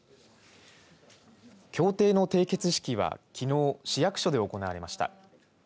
協定の締結式はきのう市役所で行われました。